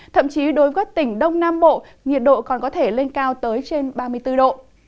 thậm chí đối với các tỉnh đông nam bộ nhiệt độ còn có thể lên cao tới trên ba mươi bốn độ